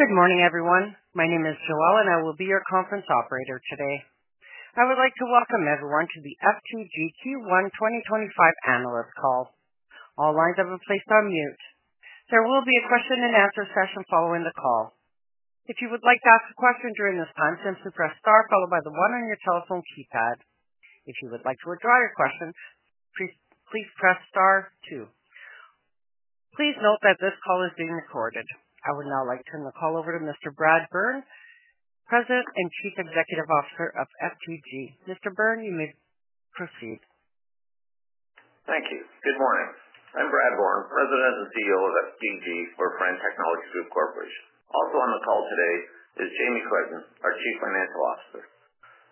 Good morning, everyone. My name is Joelle, and I will be your conference operator today. I would like to welcome everyone to the FTG Q1 2025 Analyst Call. All lines have been placed on mute. There will be a question-and-answer session following the call. If you would like to ask a question during this time, simply press star followed by the one on your telephone keypad. If you would like to withdraw your question, please press star two. Please note that this call is being recorded. I would now like to turn the call over to Mr. Brad Bourne, President and Chief Executive Officer of FTG. Mr. Bourne, you may proceed. Thank you. Good morning. I'm Brad Bourne, President and CEO of FTG for Firan Technology Group Corporation. Also on the call today is Jamie Crichton, our Chief Financial Officer.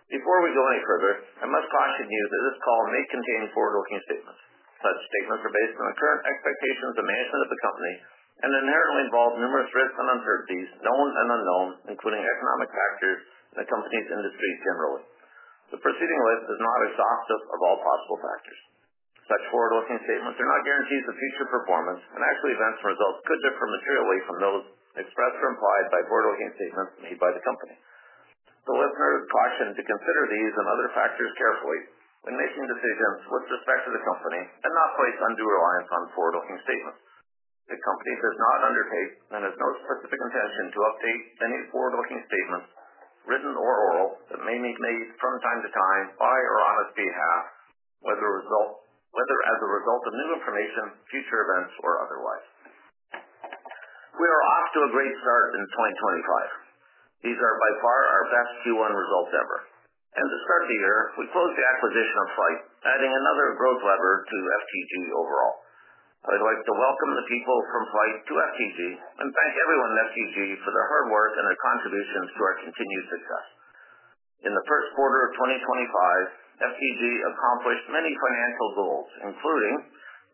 Before we go any further, I must caution you that this call may contain forward-looking statements. Such statements are based on the current expectations of management of the company and inherently involve numerous risks and uncertainties, known and unknown, including economic factors and the company's industry generally. The preceding list is not exhaustive of all possible factors. Such forward-looking statements are not guarantees of future performance, and actual events and results could differ materially from those expressed or implied by forward-looking statements made by the company. The listener is cautioned to consider these and other factors carefully when making decisions with respect to the company and not place undue reliance on forward-looking statements. The company does not undertake and has no specific intention to update any forward-looking statements, written or oral, that may be made from time to time by or on its behalf, whether as a result of new information, future events, or otherwise. We are off to a great start in 2025. These are by far our best Q1 results ever. To start the year, we closed the acquisition of FLYHT, adding another growth lever to FTG overall. I would like to welcome the people from FLYHT to FTG and thank everyone at FTG for their hard work and their contributions to our continued success. In the first quarter of 2025, FTG accomplished many financial goals, including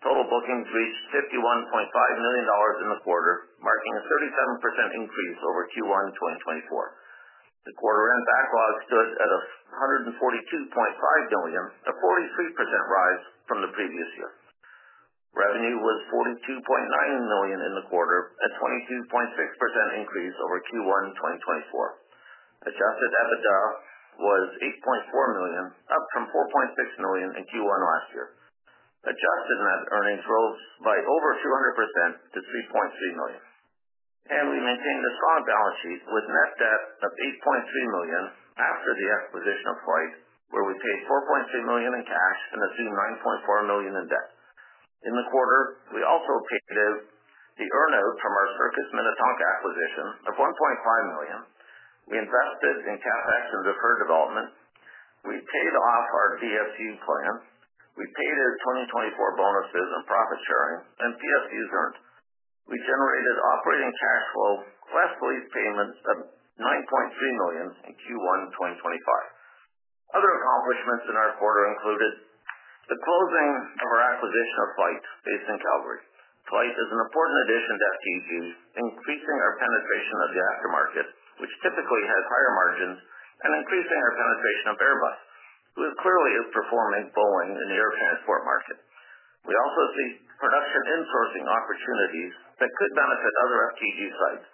total bookings reached 51.5 million dollars in the quarter, marking a 37% increase over Q1 2024. The quarter-end backlog stood at 142.5 million, a 43% rise from the previous year. Revenue was 42.9 million in the quarter, a 22.6% increase over Q1 2024. Adjusted EBITDA was 8.4 million, up from 4.6 million in Q1 last year. Adjusted net earnings rose by over 200% to 3.3 million. We maintained a strong balance sheet with net debt of 8.3 million after the acquisition of FLYHT, where we paid 4.3 million in cash and assumed 9.4 million in debt. In the quarter, we also paid the earn-out from our Circuits Minnetonka acquisition of 1.5 million. We invested in CapEx and deferred development. We paid off our DSU plan. We paid out 2024 bonuses and profit sharing, and PSUs earned. We generated operating cash flow less lease payments of 9.3 million in Q1 2025. Other accomplishments in our quarter included the closing of our acquisition of FLYHT based in Calgary. FLYHT is an important addition to FTG, increasing our penetration of the aftermarket, which typically has higher margins, and increasing our penetration of Airbus, who is clearly outperforming Boeing in the air transport market. We also see production insourcing opportunities that could benefit other FTG sites,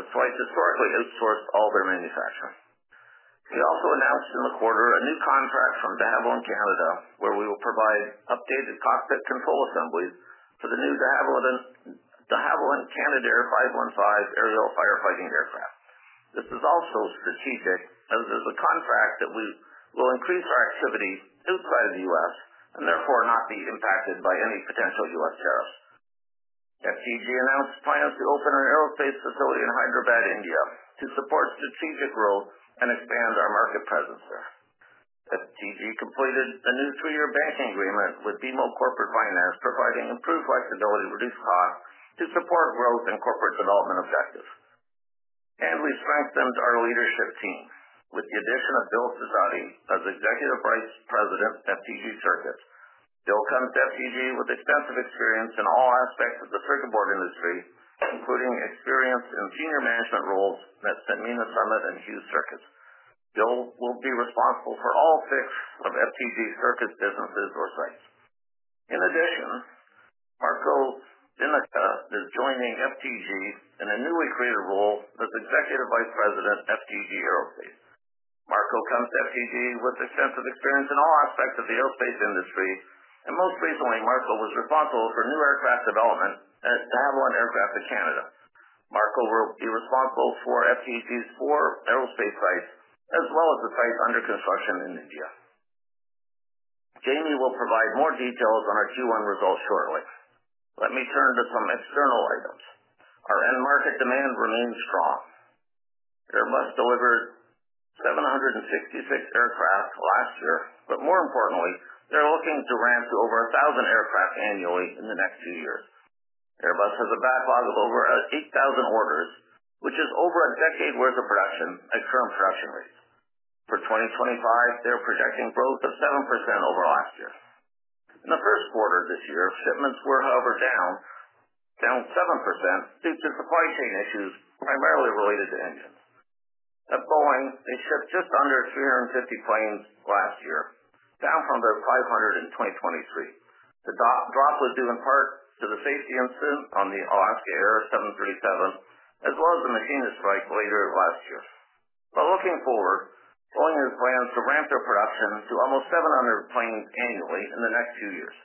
as FLYHT historically outsourced all their manufacturing. We also announced in the quarter a new contract from De Havilland Canada, where we will provide updated cockpit control assemblies for the new De Havilland Canadair 515 aerial firefighting aircraft. This is also strategic, as it is a contract that will increase our activity outside of the U.S. and therefore not be impacted by any potential U.S. tariffs. FTG announced plans to open an aerospace facility in Hyderabad, India, to support strategic growth and expand our market presence there. FTG completed a new two-year banking agreement with BMO Corporate Finance, providing improved flexibility and reduced costs to support growth and corporate development objectives. We strengthened our leadership team with the addition of Bill Sezate as Executive Vice President of FTG Circuits. Bill comes to FTG with extensive experience in all aspects of the circuit board industry, including experience in senior management roles at Sanmina, Summit and Hughes Circuits. Bill will be responsible for all six of FTG Circuits' businesses or sites. In addition, Marko Viinikka is joining FTG in a newly created role as Executive Vice President of FTG Aerospace. Marko comes to FTG with extensive experience in all aspects of the aerospace industry, and most recently, Marko was responsible for new aircraft development at De Havilland Canada. Marko will be responsible for FTG's four aerospace sites, as well as the sites under construction in India. Jamie will provide more details on our Q1 results shortly. Let me turn to some external items. Our end market demand remains strong. Airbus delivered 766 aircraft last year, but more importantly, they're looking to ramp to over 1,000 aircraft annually in the next few years. Airbus has a backlog of over 8,000 orders, which is over a decade's worth of production at current production rates. For 2025, they're projecting growth of 7% over last year. In the first quarter of this year, shipments were, however, down 7% due to supply chain issues, primarily related to engines. At Boeing, they shipped just under 350 planes last year, down from their 500 in 2023. The drop was due in part to the safety incident on the Alaska Air 737, as well as the machinists' strike later last year. Looking forward, Boeing has plans to ramp their production to almost 700 planes annually in the next two years.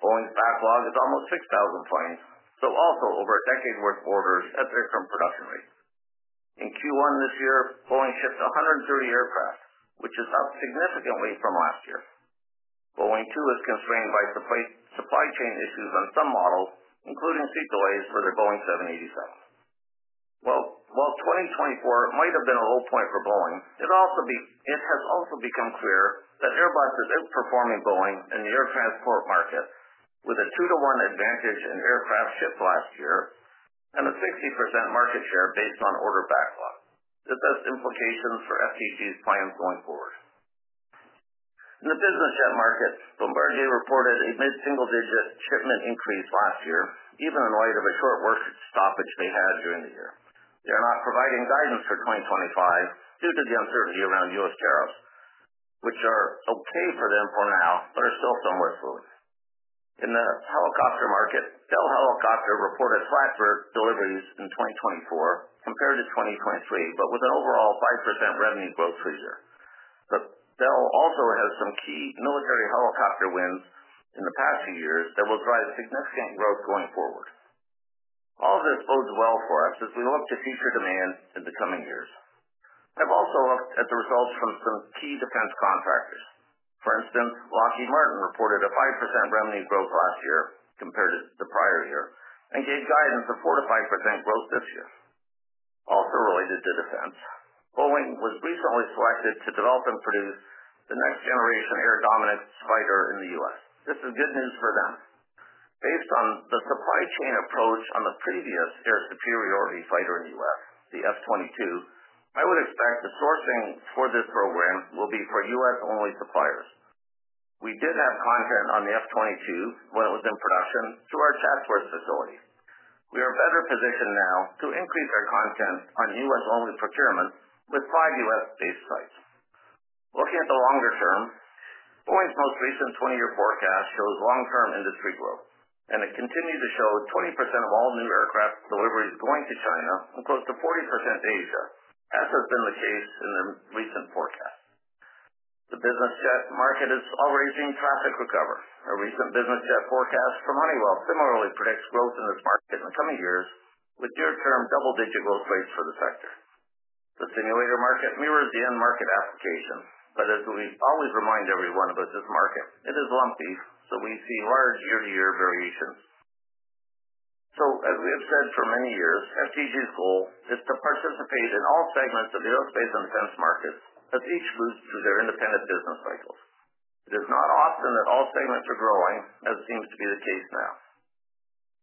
Boeing's backlog is almost 6,000 planes, so also over a decade's worth of orders at their current production rate. In Q1 this year, Boeing shipped 130 aircraft, which is up significantly from last year. Boeing too is constrained by supply chain issues on some models, including seat delays for their Boeing 787. While 2024 might have been a low point for Boeing, it has also become clear that Airbus is outperforming Boeing in the air transport market, with a two-to-one advantage in aircraft shipped last year and a 60% market share based on order backlog. This has implications for FTG's plans going forward. In the business jet market, Bombardier reported a mid-single-digit shipment increase last year, even in light of a short work stoppage they had during the year. They are not providing guidance for 2025 due to the uncertainty around U.S. tariffs, which are okay for them for now, but are still somewhat slowing. In the helicopter market, Bell Helicopter reported flat deliveries in 2024 compared to 2023, but with an overall 5% revenue growth this year. Bell also has some key military helicopter wins in the past few years that will drive significant growth going forward. All of this bodes well for us as we look to future demand in the coming years. I've also looked at the results from some key defense contractors. For instance, Lockheed Martin reported a 5% revenue growth last year compared to the prior year and gave guidance of 4%-5% growth this year. Also related to defense, Boeing was recently selected to develop and produce the Next-Generation Air Dominance fighter in the U.S. This is good news for them. Based on the supply chain approach on the previous air superiority fighter in the U.S., the F-22, I would expect the sourcing for this program will be for U.S.-only suppliers. We did have content on the F-22 when it was in production through our Chatsworth facility. We are better positioned now to increase our content on U.S.-only procurement with five U.S.-based sites. Looking at the longer term, Boeing's most recent 20-year forecast shows long-term industry growth, and it continues to show 20% of all new aircraft deliveries going to China and close to 40% to Asia, as has been the case in their recent forecast. The business jet market is already seeing traffic recover. A recent business jet forecast from Honeywell similarly predicts growth in this market in the coming years, with near-term double-digit growth rates for the sector. The simulator market mirrors the end market application, but as we always remind everyone about this market, it is lumpy, so we see large year-to-year variations. As we have said for many years, FTG's goal is to participate in all segments of the aerospace and defense markets, as each moves through their independent business cycles. It is not often that all segments are growing, as seems to be the case now.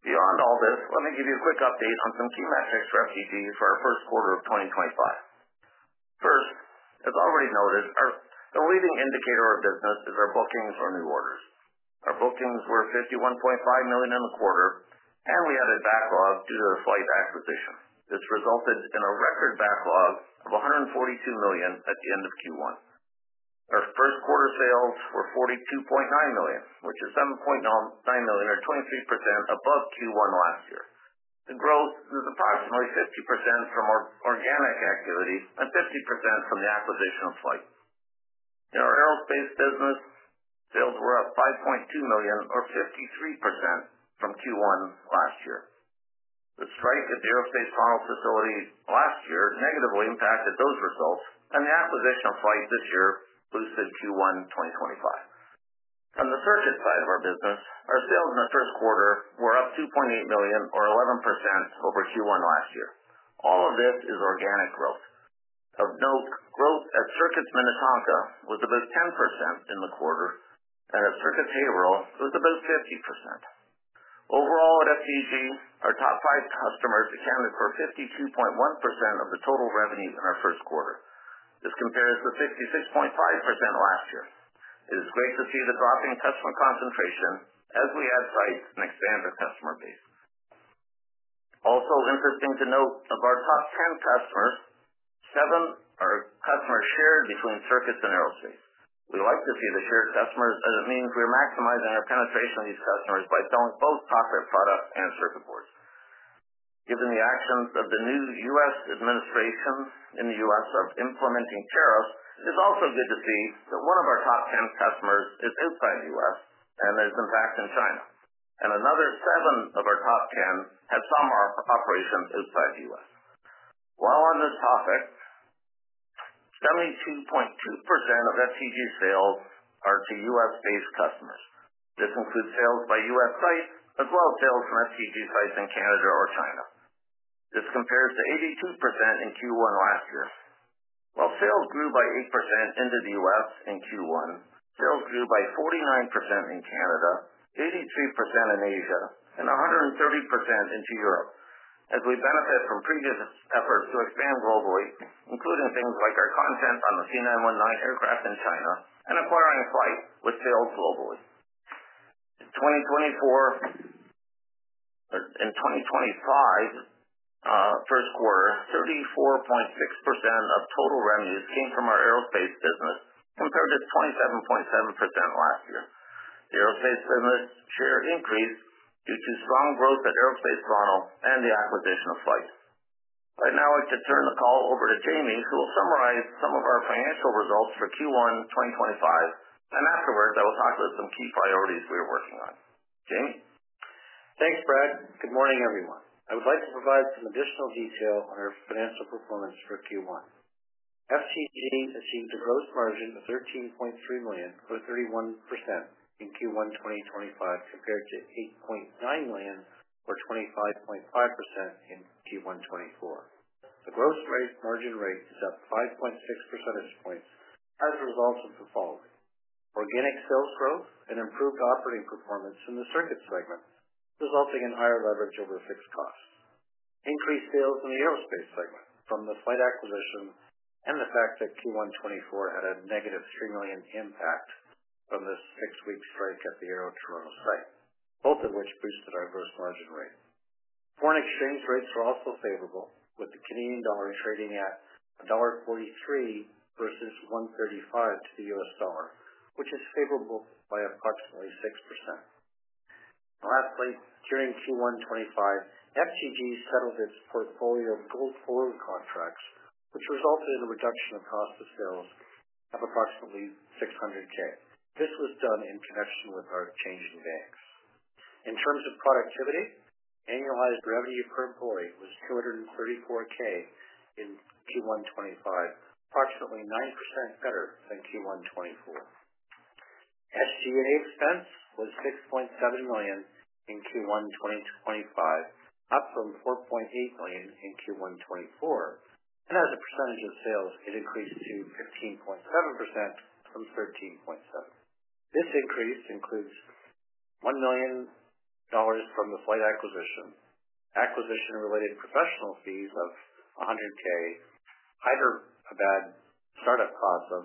Beyond all this, let me give you a quick update on some key metrics for FTG for our first quarter of 2025. First, as already noted, the leading indicator of business is our bookings or new orders. Our bookings were 51.5 million in the quarter, and we had a backlog due to the FLYHT acquisition. This resulted in a record backlog of 142 million at the end of Q1. Our first quarter sales were 42.9 million, which is 7.9 million, or 23% above Q1 last year. The growth is approximately 50% from organic activity and 50% from the acquisition of FLYHT. In our aerospace business, sales were up 5.2 million, or 53% from Q1 last year. The strike at the Aerospace Toronto facility last year negatively impacted those results, and the acquisition of FLYHT this year boosted Q1 2025. On the circuit side of our business, our sales in the first quarter were up 2.8 million, or 11% over Q1 last year. All of this is organic growth. Of note, growth at Circuits Minnetonka was about 10% in the quarter, and at Circuits Haverhill, it was about 50%. Overall, at FTG, our top five customers accounted for 52.1% of the total revenue in our first quarter. This compares to 66.5% last year. It is great to see the drop in customer concentration as we add sites and expand our customer base. Also, interesting to note, of our top 10 customers, seven are customers shared between circuits and aerospace. We like to see the shared customers, as it means we're maximizing our penetration of these customers by selling both cockpit products and circuit boards. Given the actions of the new U.S. administration in the U.S. of implementing tariffs, it is also good to see that one of our top 10 customers is outside the U.S. and is, in fact, in China. Another seven of our top 10 have some operations outside the U.S. While on this topic, 72.2% of FTG sales are to U.S.-based customers. This includes sales by U.S. sites, as well as sales from FTG sites in Canada or China. This compares to 82% in Q1 last year. While sales grew by 8% into the U.S. in Q1, sales grew by 49% in Canada, 83% in Asia, and 130% into Europe, as we benefit from previous efforts to expand globally, including things like our content on the COMAC C919 aircraft in China and acquiring FLYHT with sales globally. In 2025, first quarter, 34.6% of total revenues came from our aerospace business, compared to 27.7% last year. The aerospace business share increased due to strong growth at Aerospace Toronto and the acquisition of FLYHT. I'd now like to turn the call over to Jamie, who will summarize some of our financial results for Q1 2025, and afterwards, I will talk about some key priorities we are working on. Jamie? Thanks, Brad. Good morning, everyone. I would like to provide some additional detail on our financial performance for Q1. FTG achieved a gross margin of 13.3 million, or 31%, in Q1 2025, compared to 8.9 million, or 25.5%, in Q1 2024. The gross margin rate is up 5.6 percentage points as a result of the following: organic sales growth and improved operating performance in the circuit segment, resulting in higher leverage over fixed costs; increased sales in the aerospace segment from the FLYHT acquisition; and the fact that Q1 2024 had a -3 million impact from the six-week strike at the Aerospace Toronto site, both of which boosted our gross margin rate. Foreign exchange rates were also favorable, with the Canadian dollar trading at dollar 1.43 versus 1.35 to the U.S. dollar, which is favorable by approximately 6%. Lastly, during Q1 2025, FTG settled its portfolio of gold forward contracts, which resulted in a reduction of cost of sales of approximately 600,000. This was done in connection with our changing banks. In terms of productivity, annualized revenue per employee was 234,000 in Q1 2025, approximately 9% better than Q1 2024. SG&A expense was 6.7 million in Q1 2025, up from 4.8 million in Q1 2024. As a percentage of sales, it increased to 15.7% from 13.7%. This increase includes 1 million dollars from the FLYHT acquisition, acquisition-related professional fees of 100,000, Hyderabad startup costs of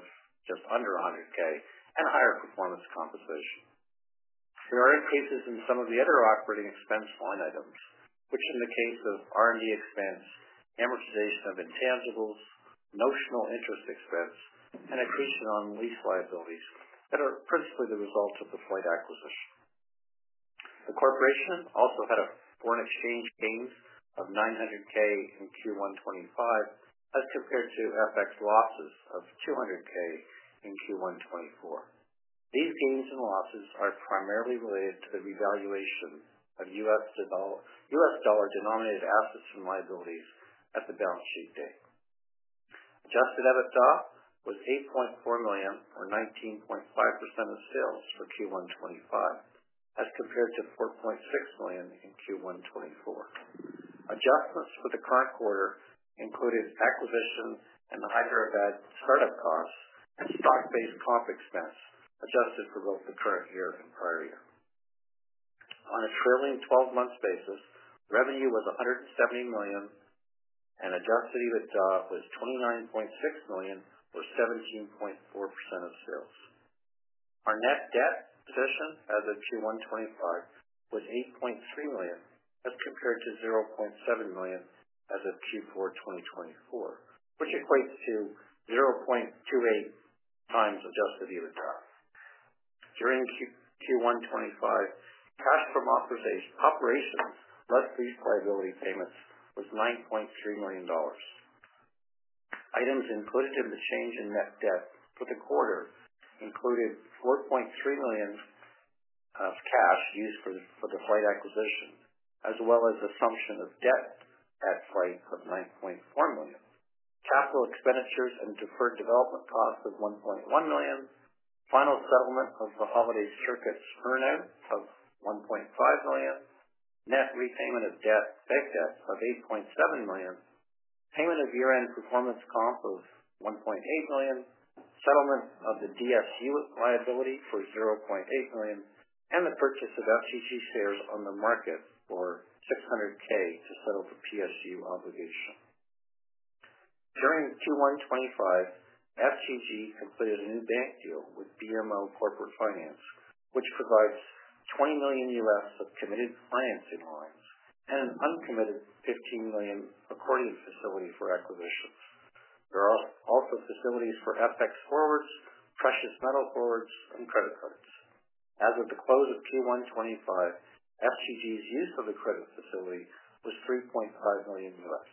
just under 100,000, and higher performance compensation. There are increases in some of the other operating expense line items, which, in the case of R&D expense, amortization of intangibles, notional interest expense, and accretion on lease liabilities that are principally the result of the FLYHT acquisition. The corporation also had a foreign exchange gain of 900,000 in Q1 2025, as compared to FX losses of 200,000 in Q1 2024. These gains and losses are primarily related to the revaluation of U.S. dollar-denominated assets and liabilities at the balance sheet date. Adjusted EBITDA was 8.4 million, or 19.5% of sales for Q1 2025, as compared to 4.6 million in Q1 2024. Adjustments for the current quarter included acquisition and Hyderabad startup costs and stock-based comp expense, adjusted for both the current year and prior year. On a trailing 12-month basis, revenue was 170 million, and adjusted EBITDA was 29.6 million, or 17.4% of sales. Our net debt position as of Q1 2025 was 8.3 million, as compared to 0.7 million as of Q4 2024, which equates to 0.28 times adjusted EBITDA. During Q1 2025, cash from operation less lease liability payments was 9.3 million dollars. Items included in the change in net debt for the quarter included 4.3 million of cash used for the FLYHT acquisition, as well as assumption of debt at FLYHT of 9.4 million, capital expenditures and deferred development costs of 1.1 million, final settlement of the Holaday Circuits earnout of 1.5 million, net repayment of bank debt of 8.7 million, payment of year-end performance comp of 1.8 million, settlement of the DSU liability for 0.8 million, and the purchase of FTG shares on the market for 600,000 to settle the PSU obligation. During Q1 2025, FTG completed a new bank deal with BMO Corporate Finance, which provides 20 million U.S. of committed financing lines and an uncommitted 15 million accordion facility for acquisitions. There are also facilities for FX forwards, precious metal forwards, and credit cards. As of the close of Q1 2025, FTG's use of the credit facility was 3.5 million U.S.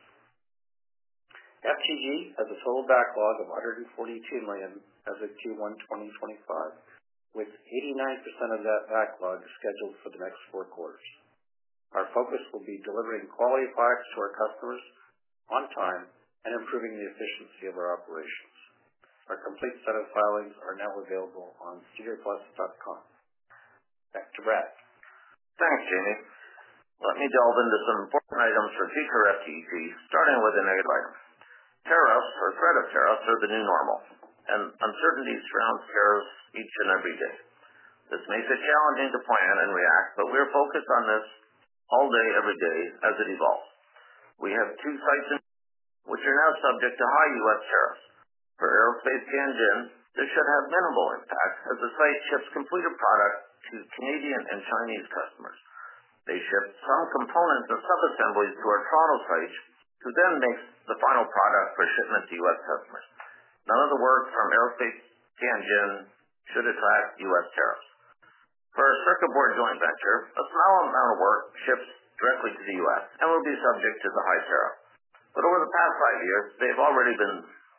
FTG has a total backlog of 142 million as of Q1 2025, with 89% of that backlog scheduled for the next four quarters. Our focus will be delivering quality products to our customers on time and improving the efficiency of our operations. Our complete set of filings are now available on sedarplus.ca. Back to Brad. Thanks, Jamie. Let me delve into some important items for future FTG, starting with a negative item. Tariffs or threat of tariffs are the new normal, and uncertainty surrounds tariffs each and every day. This makes it challenging to plan and react, but we are focused on this all day, every day, as it evolves. We have two sites in which are now subject to high U.S. tariffs. For Aerospace Tianjin, this should have minimal impact, as the site ships completed product to Canadian and Chinese customers. They ship some components and sub-assemblies to our Toronto site, who then makes the final product for shipment to U.S. customers. None of the work from Aerospace Tianjin should attract U.S. tariffs. For our circuit board joint venture, a small amount of work ships directly to the U.S. and will be subject to the high tariff. Over the past five years, they have already been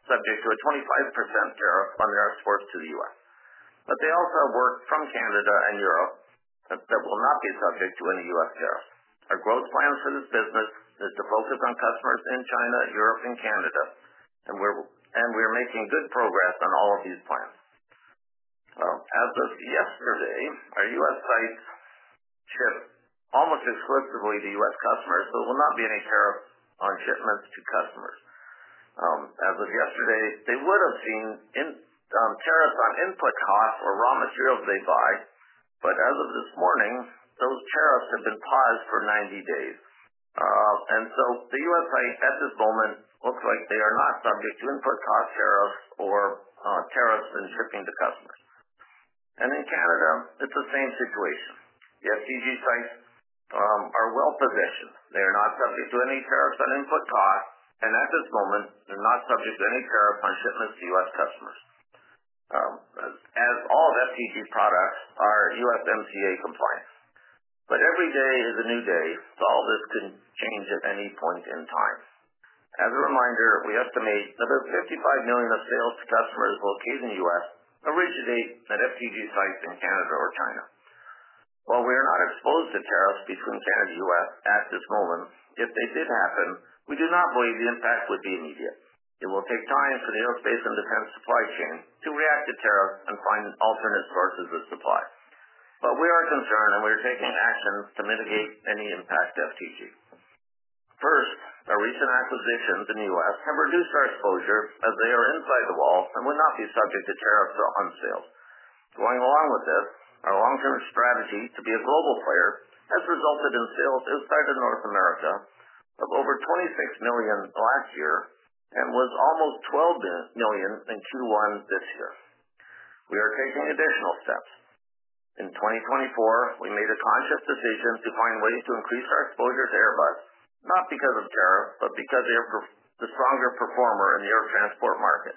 subject to a 25% tariff on their exports to the U.S. They also have work from Canada and Europe that will not be subject to any U.S. tariffs. Our growth plan for this business is to focus on customers in China, Europe, and Canada, and we're making good progress on all of these plans. As of yesterday, our U.S. sites ship almost exclusively to U.S. customers, so there will not be any tariffs on shipments to customers. As of yesterday, they would have seen tariffs on input costs or raw materials they buy, but as of this morning, those tariffs have been paused for 90 days. The U.S. site at this moment looks like they are not subject to input cost tariffs or tariffs in shipping to customers. In Canada, it's the same situation. The FTG sites are well positioned. They are not subject to any tariffs on input costs, and at this moment, they're not subject to any tariffs on shipments to U.S. customers. As all of FTG products are USMCA compliant. Every day is a new day, so all this can change at any point in time. As a reminder, we estimate that about 55 million of sales to customers located in the U.S. originate at FTG sites in Canada or China. While we are not exposed to tariffs between Canada and the U.S. at this moment, if they did happen, we do not believe the impact would be immediate. It will take time for the aerospace and defense supply chain to react to tariffs and find alternate sources of supply. We are concerned, and we are taking action to mitigate any impact to FTG. First, our recent acquisitions in the U.S. have reduced our exposure as they are inside the wall and would not be subject to tariffs or unsales. Going along with this, our long-term strategy to be a global player has resulted in sales inside of North America of over 26 million last year and was almost 12 million in Q1 this year. We are taking additional steps. In 2024, we made a conscious decision to find ways to increase our exposure to Airbus, not because of tariffs, but because they are the stronger performer in the air transport market.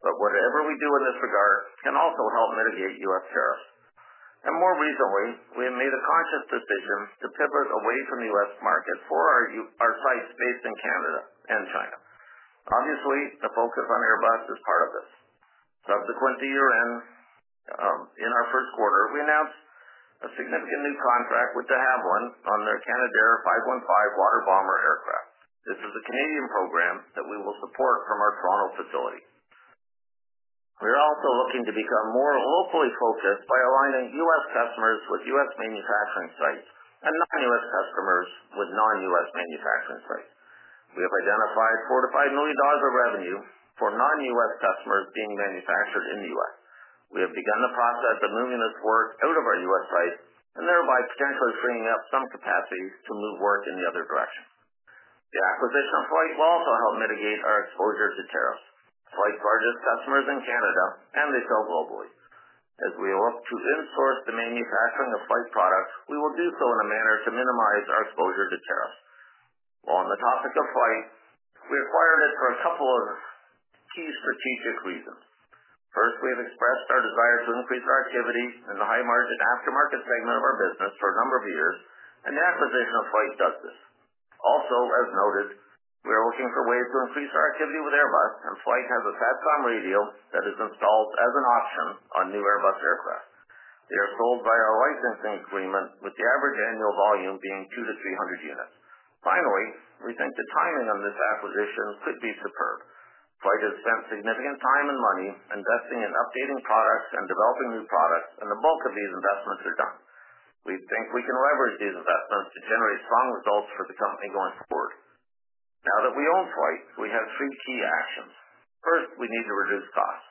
Whatever we do in this regard can also help mitigate U.S. tariffs. More recently, we have made a conscious decision to pivot away from the U.S. market for our sites based in Canada and China. Obviously, the focus on Airbus is part of this. Subsequent to year-end, in our first quarter, we announced a significant new contract with De Havilland on their Canadair 515 water bomber aircraft. This is a Canadian program that we will support from our Toronto facility. We are also looking to become more locally focused by aligning U.S. customers with U.S. manufacturing sites and non-U.S. customers with non-U.S. manufacturing sites. We have identified 4 million-5 million dollars of revenue for non-U.S. customers being manufactured in the U.S. We have begun the process of moving this work out of our U.S. sites and thereby potentially freeing up some capacity to move work in the other direction. The acquisition of FLYHT will also help mitigate our exposure to tariffs. FLYHT's largest customer is in Canada, and they sell globally. As we look to insource the manufacturing of FLYHT products, we will do so in a manner to minimize our exposure to tariffs. While on the topic of FLYHT, we acquired it for a couple of key strategic reasons. First, we have expressed our desire to increase our activity in the high-margin aftermarket segment of our business for a number of years, and the acquisition of FLYHT does this. Also, as noted, we are looking for ways to increase our activity with Airbus, and FLYHT has a SATCOM radio that is installed as an option on new Airbus aircraft. They are sold by our licensing agreement, with the average annual volume being 200 units-300 units. Finally, we think the timing on this acquisition could be superb. FLYHT has spent significant time and money investing in updating products and developing new products, and the bulk of these investments are done. We think we can leverage these investments to generate strong results for the company going forward. Now that we own FLYHT, we have three key actions. First, we need to reduce costs.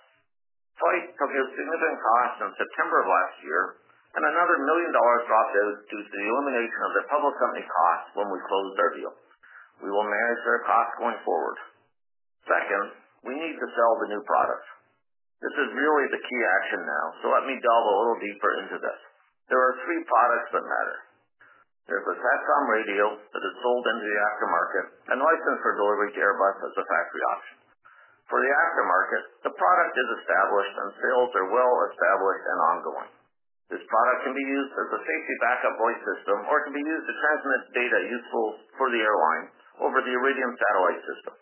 FLYHT took a significant cost in September of last year, and another 1 million dollars dropped out due to the elimination of their public company costs when we closed our deal. We will manage their costs going forward. Second, we need to sell the new products. This is really the key action now, so let me delve a little deeper into this. There are three products that matter. There's a SATCOM radio that is sold into the aftermarket and licensed for delivery to Airbus as a factory option. For the aftermarket, the product is established and sales are well established and ongoing. This product can be used as a safety backup voice system or can be used to transmit data useful for the airline over the Iridium satellite system.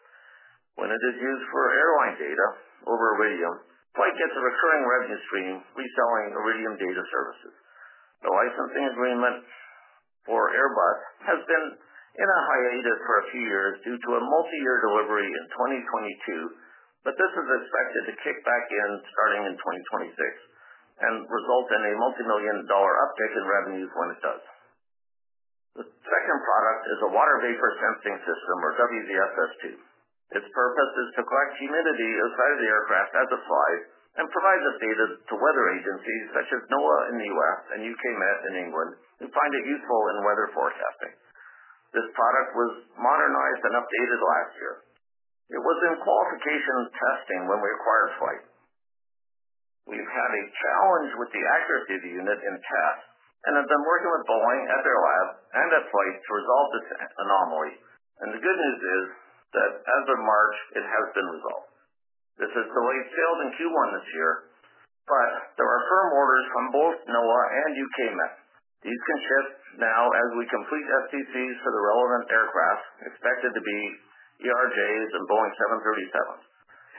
When it is used for airline data over Iridium, FLYHT gets a recurring revenue stream reselling Iridium data services. The licensing agreement for Airbus has been in a hiatus for a few years due to a multi-year delivery in 2022, but this is expected to kick back in starting in 2026 and result in a multi-million dollar uptick in revenues when it does. The second product is a Water Vapor Sensing System or WVSS-II. Its purpose is to collect humidity inside of the aircraft as applied and provide this data to weather agencies such as NOAA in the U.S. and U.K. Met in England and find it useful in weather forecasting. This product was modernized and updated last year. It was in qualification testing when we acquired FLYHT. We've had a challenge with the accuracy of the unit in tests and have been working with Boeing at their lab and at FLYHT to resolve this anomaly. The good news is that as of March, it has been resolved. This has delayed sales in Q1 this year, but there are firm orders from both NOAA and U.K. Met. These can ship now as we complete STCs for the relevant aircraft, expected to be ERJs and Boeing 737.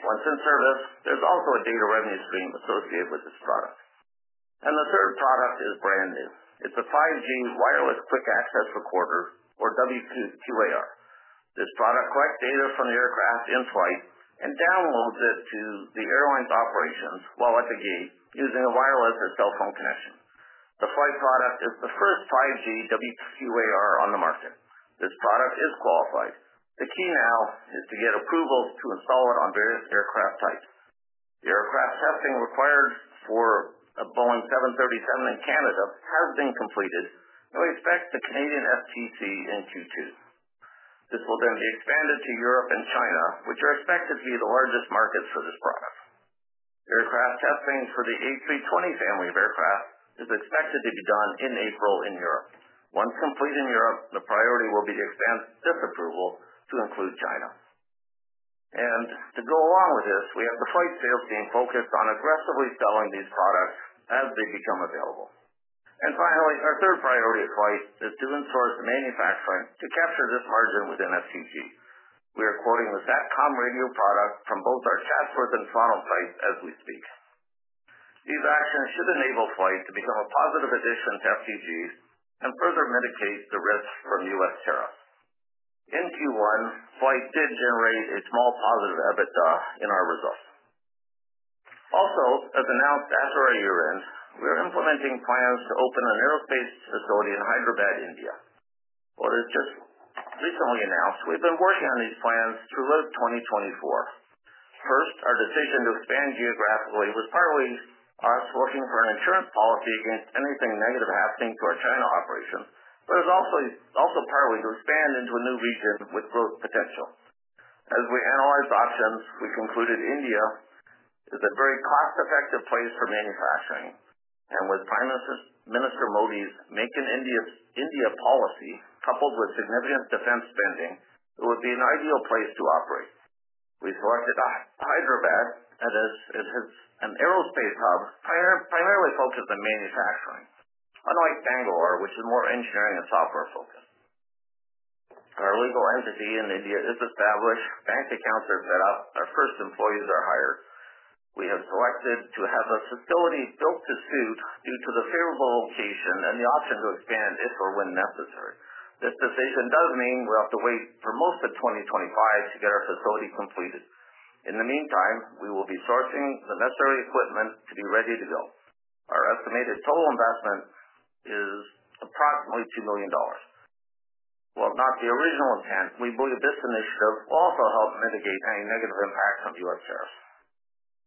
Once in service, there's also a data revenue stream associated with this product. The third product is brand new. It's a 5G wireless quick access recorder or WQAR. This product collects data from the aircraft in FLYHT and downloads it to the airline's operations while at the gate using a wireless or cell phone connection. The FLYHT product is the first 5G WQAR on the market. This product is qualified. The key now is to get approvals to install it on various aircraft types. The aircraft testing required for a Boeing 737 in Canada has been completed, and we expect the Canadian STC in Q2. This will then be expanded to Europe and China, which are expected to be the largest markets for this product. Aircraft testing for the A320 family of aircraft is expected to be done in April in Europe. Once complete in Europe, the priority will be to expand this approval to include China. To go along with this, we have the FLYHT sales team focused on aggressively selling these products as they become available. Finally, our third priority at FLYHT is to insource the manufacturing to capture this margin within FTG. We are quoting the SATCOM radio product from both our Chatsworth and Toronto sites as we speak. These actions should enable FLYHT to become a positive addition to FTG and further mitigate the risks from U.S. tariffs. In Q1, FLYHT did generate a small positive EBITDA in our results. Also, as announced after our year-end, we are implementing plans to open an aerospace facility in Hyderabad, India. While it was just recently announced, we've been working on these plans throughout 2024. First, our decision to expand geographically was partly us looking for an insurance policy against anything negative happening to our China operations, but it was also partly to expand into a new region with growth potential. As we analyzed options, we concluded India is a very cost-effective place for manufacturing, and with Prime Minister Modi's Make in India policy coupled with significant defense spending, it would be an ideal place to operate. We selected Hyderabad as it is an aerospace hub primarily focused on manufacturing, unlike Bangalore, which is more engineering and software focused. Our legal entity in India is established, bank accounts are set up, our first employees are hired. We have selected to have a facility built to suit due to the favorable location and the option to expand if or when necessary. This decision does mean we'll have to wait for most of 2025 to get our facility completed. In the meantime, we will be sourcing the necessary equipment to be ready to go. Our estimated total investment is approximately 2 million dollars. While not the original intent, we believe this initiative will also help mitigate any negative impacts on U.S. tariffs.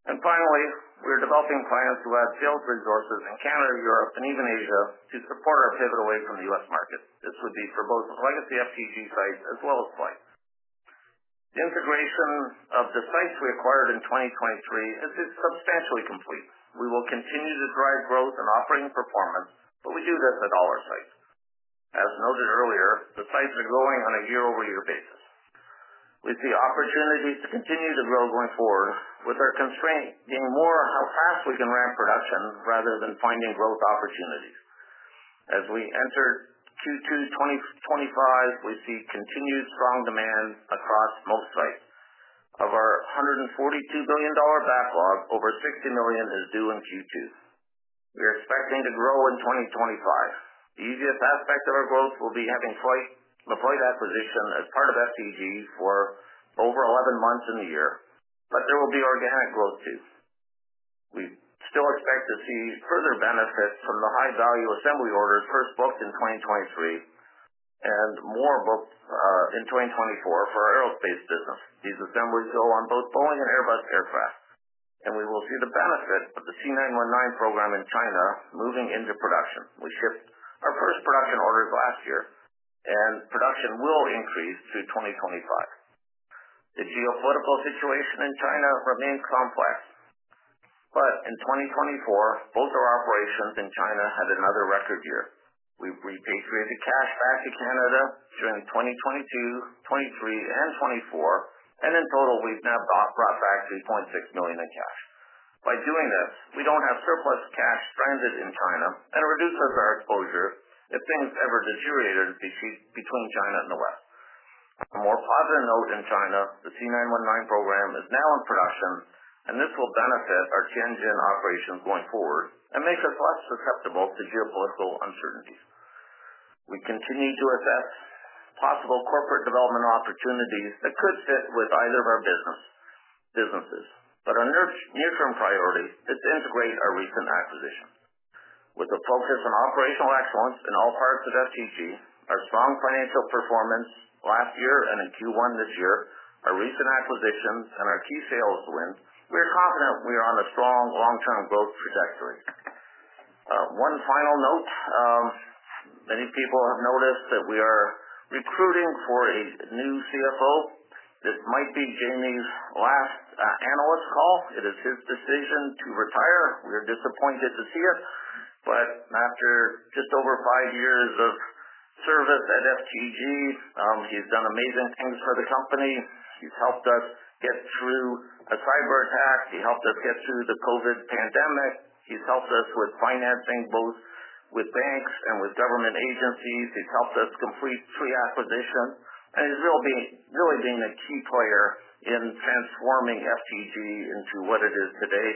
Finally, we are developing plans to add sales resources in Canada, Europe, and even Asia to support our pivot away from the U.S. market. This would be for both legacy FTG sites as well as FLYHT. The integration of the sites we acquired in 2023 is substantially complete. We will continue to drive growth and operating performance, but we do this at all our sites. As noted earlier, the sites are growing on a year-over-year basis. We see opportunities to continue to grow going forward, with our constraint being more how fast we can ramp production rather than finding growth opportunities. As we enter Q2 2025, we see continued strong demand across most sites. Of our 142 million dollar backlog, over 60 million is due in Q2. We are expecting to grow in 2025. The easiest aspect of our growth will be having FLYHT, the FLYHT acquisition as part of FTG for over 11 months in the year, but there will be organic growth too. We still expect to see further benefits from the high-value assembly orders first booked in 2023 and more booked in 2024 for our aerospace business. These assemblies go on both Boeing and Airbus aircraft, and we will see the benefit of the COMAC C919 program in China moving into production. We shipped our first production orders last year, and production will increase through 2025. The geopolitical situation in China remains complex, but in 2024, both our operations in China had another record year. We've repatriated cash back to Canada during 2022, 2023, and 2024, and in total, we've now brought back 3.6 million in cash. By doing this, we don't have surplus cash stranded in China and it reduces our exposure if things ever deteriorated between China and the West. On a more positive note in China, the COMAC C919 program is now in production, and this will benefit our Tianjin operations going forward and make us less susceptible to geopolitical uncertainties. We continue to assess possible corporate development opportunities that could fit with either of our businesses, but our near-term priority is to integrate our recent acquisitions. With a focus on operational excellence in all parts of FTG, our strong financial performance last year and in Q1 this year, our recent acquisitions, and our key sales win, we are confident we are on a strong long-term growth trajectory. One final note, many people have noticed that we are recruiting for a new CFO. This might be Jamie's last analyst call. It is his decision to retire. We are disappointed to see it, but after just over five years of service at FTG, he's done amazing things for the company. He's helped us get through a cyber attack. He helped us get through the COVID pandemic. He's helped us with financing, both with banks and with government agencies. He's helped us complete three acquisitions, and he's really being a key player in transforming FTG into what it is today.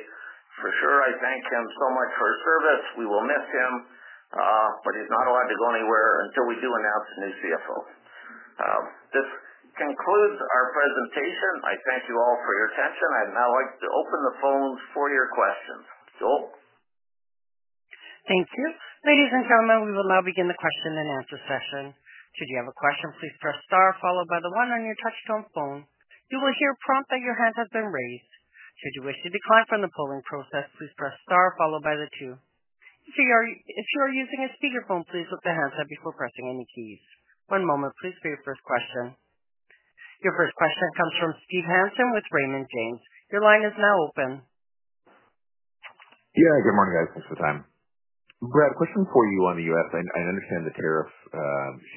For sure, I thank him so much for his service. We will miss him, but he's not allowed to go anywhere until we do announce a new CFO. This concludes our presentation. I thank you all for your attention. I'd now like to open the phones for your questions. Joelle. Thank you. Ladies and gentlemen, we will now begin the question and answer session. Should you have a question, please press star followed by the one on your touch-tone phone. You will hear a prompt that your hands have been raised. Should you wish to decline from the polling process, please press star followed by the two. If you are using a speakerphone, please put the hands up before pressing any keys. One moment, please, for your first question. Your first question comes from Steve Hansen with Raymond James. Your line is now open. Yeah, good morning, guys. Thanks for the time. Brad, question for you on the U.S. I understand the tariff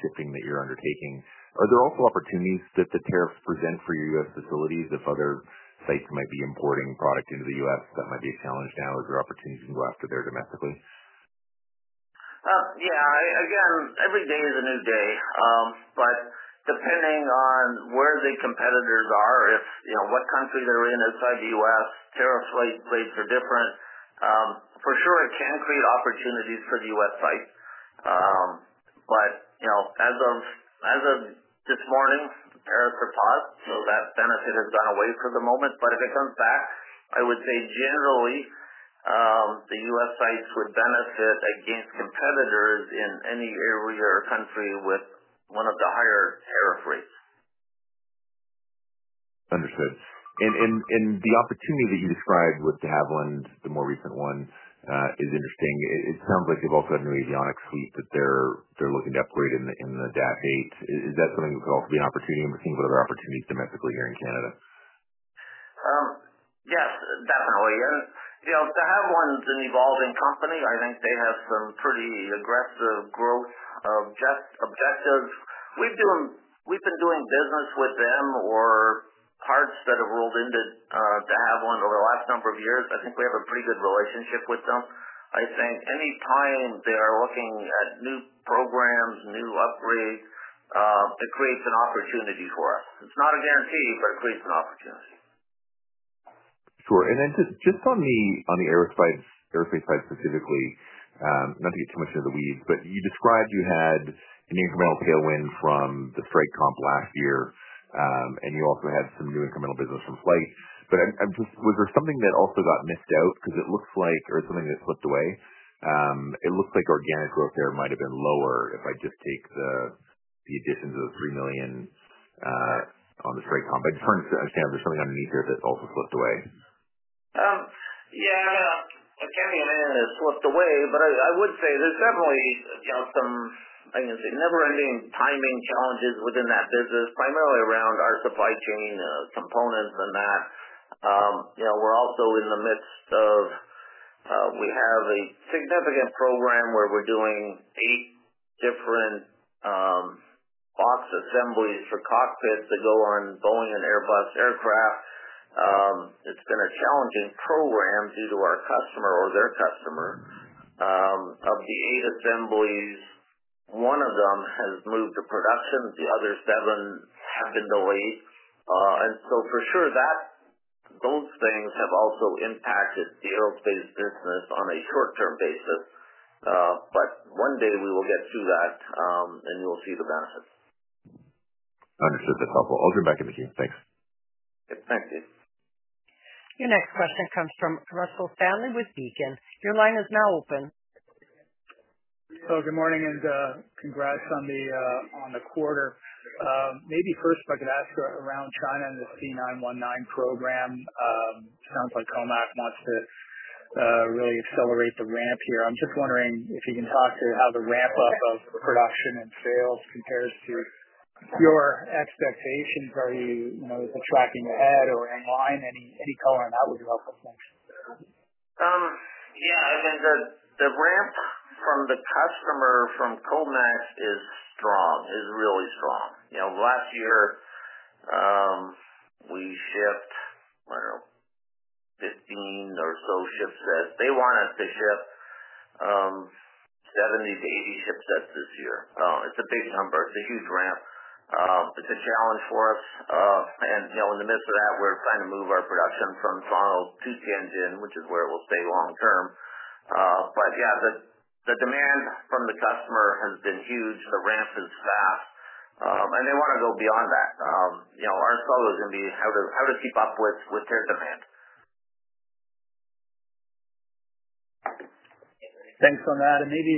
shifting that you're undertaking. Are there also opportunities that the tariffs present for your U.S. facilities if other sites might be importing product into the U.S.? That might be a challenge now. Is there opportunities to go after there domestically? Yeah. Again, every day is a new day, but depending on where the competitors are, what country they're in outside the U.S., tariff rates are different. For sure, it can create opportunities for the U.S. sites, but as of this morning, tariffs are paused, so that benefit has gone away for the moment. If it comes back, I would say generally the U.S. sites would benefit against competitors in any area or country with one of the higher tariff rates. Understood. The opportunity that you described with De Havilland, the more recent one, is interesting. It sounds like they've also had a new avionics suite that they're looking to upgrade in the Dash 8. Is that something that could also be an opportunity? I'm thinking of other opportunities domestically here in Canada. Yes, definitely. De Havilland is an evolving company. I think they have some pretty aggressive growth objectives. We've been doing business with them or parts that have rolled into De Havilland over the last number of years. I think we have a pretty good relationship with them. I think any time they are looking at new programs, new upgrades, it creates an opportunity for us. It's not a guarantee, but it creates an opportunity. Sure. On the aerospace side specifically, not to get too much into the weeds, you described you had an incremental tailwind from the strike impact last year, and you also had some new incremental business from FLYHT. Was there something that also got missed out? Because it looks like, or it's something that slipped away, it looks like organic growth there might have been lower if I just take the additions of the 3 million on the strike impact. I'm trying to understand if there's something underneath there that also slipped away. Yeah, organic management has slipped away, but I would say there's definitely some, I guess, never-ending timing challenges within that business, primarily around our supply chain components and that. We're also in the midst of, we have a significant program where we're doing eight different box assemblies for cockpits that go on Boeing and Airbus aircraft. It's been a challenging program due to our customer or their customer. Of the eight assemblies, one of them has moved to production. The other seven have been delayed. For sure, those things have also impacted the aerospace business on a short-term basis. One day we will get through that, and you'll see the benefits. Understood. That's helpful. I'll turn back in the queue. Thanks. Thank you. Your next question comes from Russell Stanley with Beacon. Your line is now open. Hello, good morning, and congrats on the quarter. Maybe first, if I could ask around China and the COMAC C919 program. It sounds like COMAC wants to really accelerate the ramp here. I'm just wondering if you can talk to how the ramp-up of production and sales compares to your expectations. Are you tracking ahead or in line? Any color on that would be helpful. Thanks. Yeah. I mean, the ramp from the customer from COMAC is strong, is really strong. Last year, we shipped, I don't know, 15 or so ship sets. They want us to ship 70-80 ship sets this year. It's a big number. It's a huge ramp. It's a challenge for us. In the midst of that, we're trying to move our production from Toronto to Tianjin, which is where it will stay long-term. Yeah, the demand from the customer has been huge. The ramp is fast, and they want to go beyond that. Our struggle is going to be how to keep up with their demand. Thanks on that. Maybe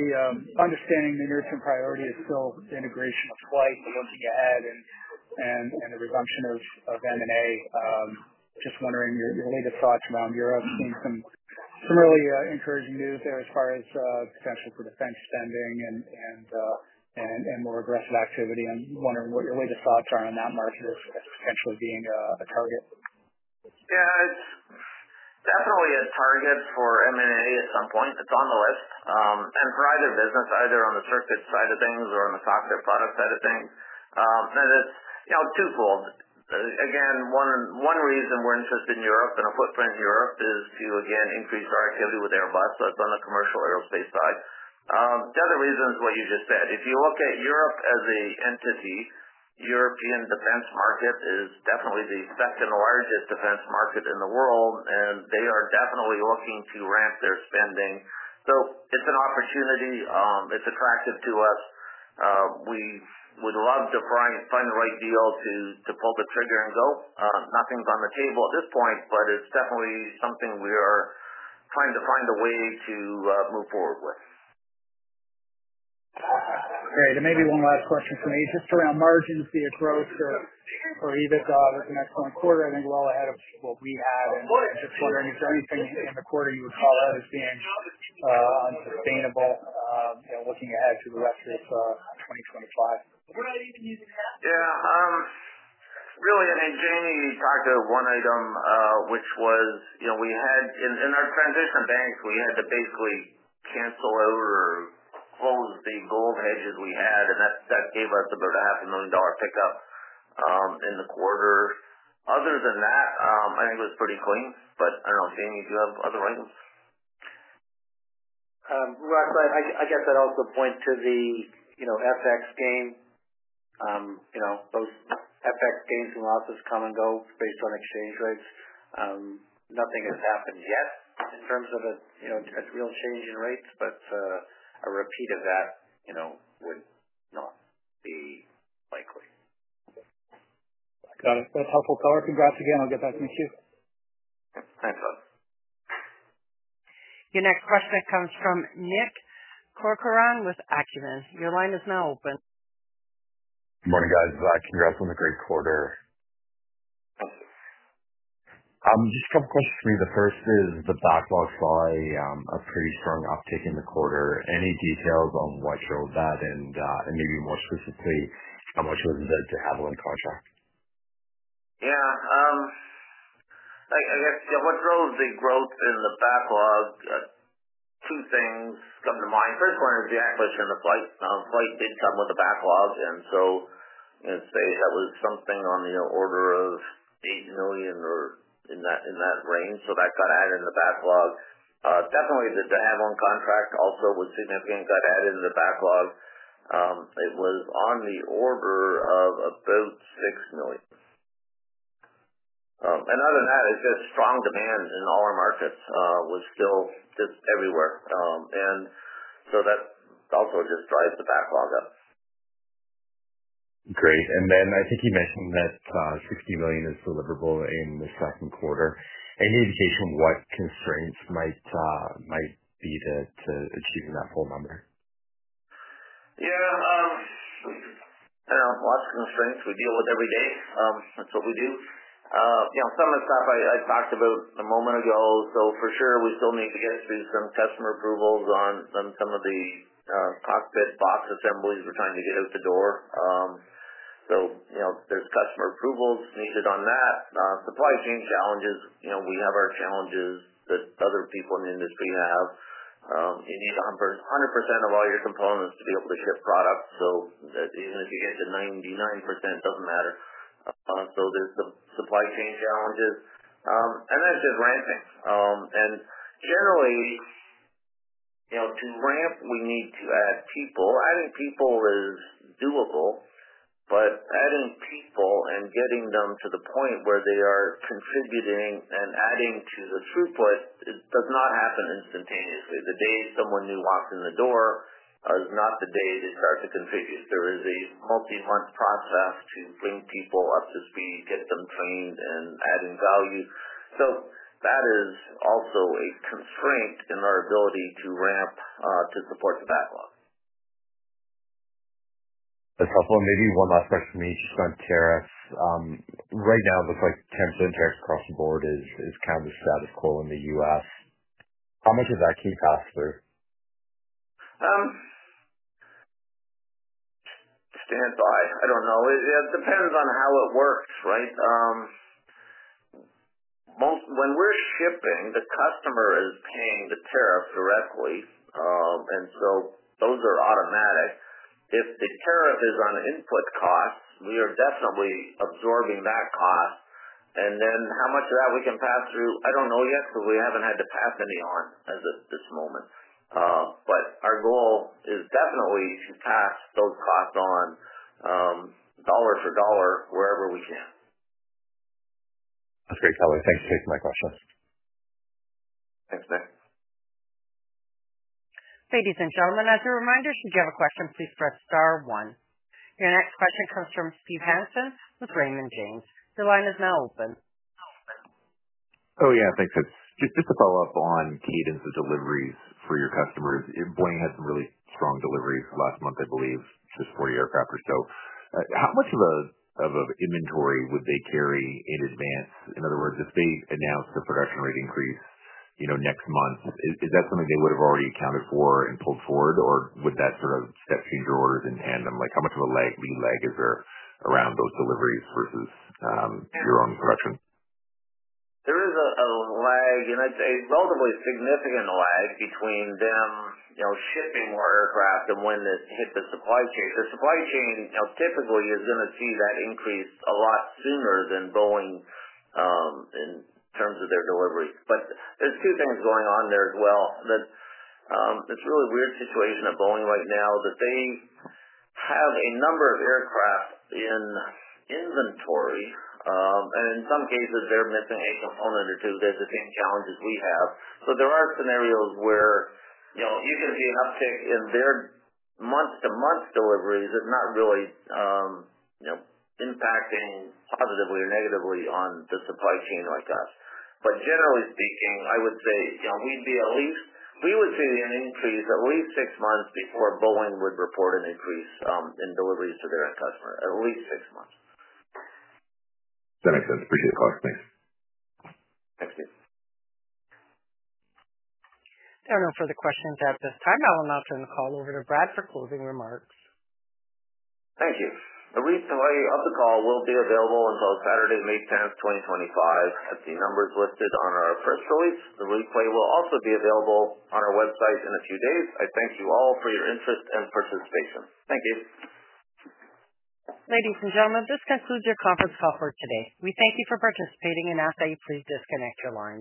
understanding the near-term priority is still integration of FLYHT and looking ahead and the resumption of M&A. Just wondering your latest thoughts around Europe. Seeing some really encouraging news there as far as potential for defense spending and more aggressive activity. I'm wondering what your latest thoughts are on that market as potentially being a target. Yeah, it's definitely a target for M&A at some point. It's on the list. For either business, either on the circuit side of things or on the software product side of things. It's twofold. One reason we're interested in Europe and a footprint in Europe is to increase our activity with Airbus, so it's on the commercial aerospace side. The other reason is what you just said. If you look at Europe as an entity, the European defense market is definitely the second largest defense market in the world, and they are definitely looking to ramp their spending. It's an opportunity. It's attractive to us. We would love to find the right deal to pull the trigger and go. Nothing's on the table at this point, but it's definitely something we are trying to find a way to move forward with. Okay. Maybe one last question for me. Just around margins, the growth for EBITDA was an excellent quarter. I think well ahead of what we had. Just wondering if there's anything in the quarter you would call out as being unsustainable, looking ahead to the rest of 2025. Yeah. I think Jamie talked to one item, which was we had, in our transition of banks, we had to basically cancel out or close the gold hedges we had, and that gave us about 500,000 dollar pickup in the quarter. Other than that, I think it was pretty clean. I don't know. Jamie, do you have other items? Russell, I guess I'd also point to the FX game. Those FX gains and losses come and go based on exchange rates. Nothing has happened yet in terms of a real change in rates, but a repeat of that would not be likely. Got it. That's helpful. Congrats again. I'll get back in the queue. Thanks, bud. Your next question comes from Nick Corcoran with Acumen. Your line is now open. Good morning, guys. Congrats on the great quarter. Thanks. Just a couple of questions for me. The first is the backlog saw a pretty strong uptick in the quarter. Any details on what drove that and maybe more specifically how much was in the De Havilland contract? Yeah. I guess what drove the growth in the backlog? Two things come to mind. First one is the acquisition of FLYHT. FLYHT did come with a backlog, and I'd say that was something on the order of 8 million or in that range. That got added in the backlog. Definitely, the De Havilland contract also was significant. Got added in the backlog. It was on the order of about 6 million. Other than that, it's just strong demand in all our markets was still just everywhere. That also just drives the backlog up. Great. I think you mentioned that 60 million is deliverable in the second quarter. Any indication of what constraints might be to achieving that full number? Yeah. Lots of constraints. We deal with every day. That's what we do. Some of the stuff I talked about a moment ago. We still need to get through some customer approvals on some of the cockpit box assemblies we are trying to get out the door. There are customer approvals needed on that. Supply chain challenges. We have our challenges that other people in the industry have. You need 100% of all your components to be able to ship product. Even if you get to 99%, it does not matter. There are the supply chain challenges. It is just ramping. Generally, to ramp, we need to add people. Adding people is doable, but adding people and getting them to the point where they are contributing and adding to the throughput does not happen instantaneously. The day someone new walks in the door is not the day they start to contribute. There is a multi-month process to bring people up to speed, get them trained, and add in value. That is also a constraint in our ability to ramp to support the backlog. That's helpful. Maybe one last question for me, just on tariffs. Right now, it looks like 10% tariffs across the board is kind of the status quo in the U.S. How much of that can you pass through? Stand by. I don't know. It depends on how it works, right? When we're shipping, the customer is paying the tariff directly, and those are automatic. If the tariff is on input costs, we are definitely absorbing that cost. How much of that we can pass through, I don't know yet because we haven't had to pass any on as of this moment. Our goal is definitely to pass those costs on dollar for dollar wherever we can. That's great, color. Thanks for taking my question. Thanks, Nick. Ladies and gentlemen, as a reminder, should you have a question, please press star one. Your next question comes from Steve Hansen with Raymond James. Your line is now open. Yeah. Thanks, Nick. Just to follow up on cadence of deliveries for your customers. Boeing had some really strong deliveries last month, I believe, just 40 aircraft or so. How much of an inventory would they carry in advance? In other words, if they announced a production rate increase next month, is that something they would have already accounted for and pulled forward, or would that sort of step change your orders in tandem? How much of a lead lag is there around those deliveries versus your own production? There is a lag, and it's a relatively significant lag between them shipping more aircraft and when they hit the supply chain. The supply chain typically is going to see that increase a lot sooner than Boeing in terms of their deliveries. There are two things going on there as well. It's a really weird situation at Boeing right now that they have a number of aircraft in inventory, and in some cases, they're missing a component or two. They have the same challenges we have. There are scenarios where you can see an uptick in their month-to-month deliveries that's not really impacting positively or negatively on the supply chain like us. Generally speaking, I would say we would see an increase at least six months before Boeing would report an increase in deliveries to their customer. At least six months. That makes sense. Appreciate it, [caller]. Thanks. Thanks, Nick. There are no further questions at this time. I will now turn the call over to Brad for closing remarks. Thank you. The replay of the call will be available until Saturday, May 10th, 2025. I see numbers listed on our press release. The replay will also be available on our website in a few days. I thank you all for your interest and participation. Thank you. Ladies and gentlemen, this concludes your conference call for today. We thank you for participating and ask that you please disconnect your line.